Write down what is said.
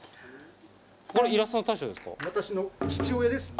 これイラストは大将ですか？